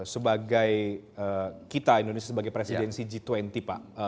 sebagai kita indonesia sebagai presidensi g dua puluh pak